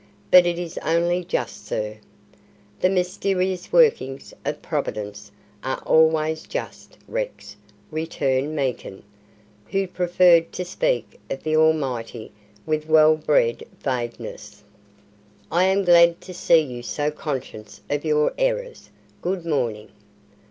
But it is only just, sir." "The mysterious workings of Providence are always just, Rex," returned Meekin, who preferred to speak of the Almighty with well bred vagueness. "I am glad to see you so conscious of your errors. Good morning."